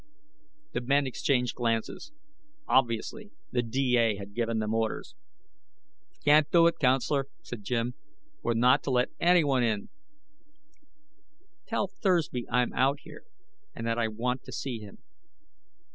The men exchanged glances. Obviously, the D.A. had given them orders. "Can't do it, counselor," said Jim. "We're not to let anyone in." "Tell Thursby I'm out here and that I want to see him."